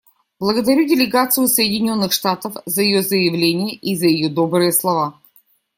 Благодарю делегацию Соединенных Штатов за ее заявление и за ее добрые слова.